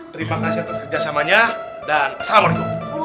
terima kasih atas kerjasamanya dan assalamualaikum